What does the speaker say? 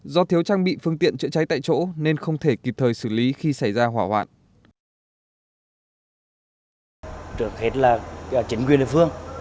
do thiếu trang bị phương tiện chữa cháy tại chỗ nên không thể kịp thời xử lý khi xảy ra hỏa hoạn